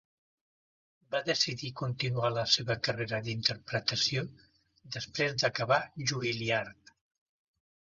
Va decidir continuar la seva carrera d'interpretació després d'acabar Juilliard.